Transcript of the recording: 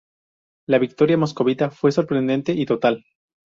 La victoria moscovita fue sorprendente y total.